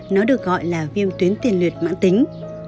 nó được gọi là viêm tuyến tiền luyện mãn tính